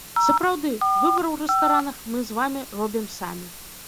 Сапраўды, выбар у рэстаранах мы з вамі робім самі.